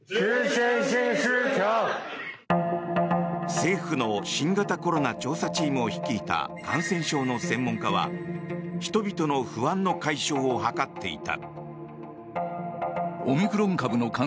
政府の新型コロナ調査チームを率いた感染症の専門家は人々の不安の解消を図っていた。